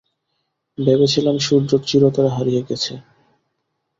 ভেবেছিলাম সূর্য চিরতরে হারিয়ে গেছে।